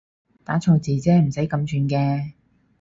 打錯字啫唔使咁串嘅